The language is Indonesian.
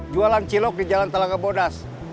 jualan cilok di jalan telaga bodas